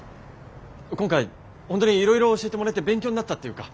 今回本当にいろいろ教えてもらえて勉強になったっていうか。